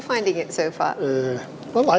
saya senang datang ke sini